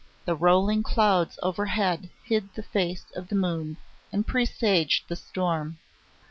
The rolling clouds overhead hid the face of the moon and presaged the storm.